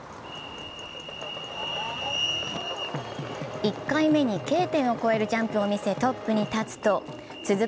１回目にＫ点を越えるジャンプを見せトップに立つと続く